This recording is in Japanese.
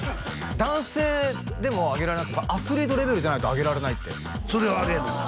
男性でも上げられなくてアスリートレベルじゃないと上げられないってそれを上げる？